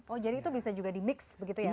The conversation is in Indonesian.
oh jadi itu bisa juga dimix begitu ya pak k